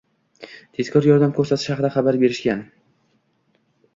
Tezkor yordam koʻrsatish haqida xabar berishgan